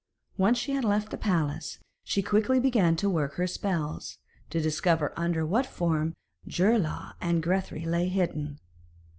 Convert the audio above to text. Once she had left the palace she quickly began to work her spells, to discover under what form Geirlaug and Grethari lay hidden.